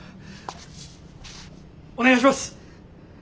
お願いします！